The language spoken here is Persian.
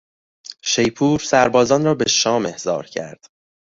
شیپور سربازان را به شام احضار کرد.